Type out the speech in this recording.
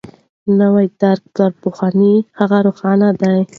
نوی درک تر پخواني هغه روښانه دی.